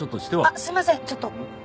あっすいませんちょっと！